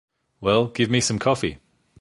Well, give me some coffee.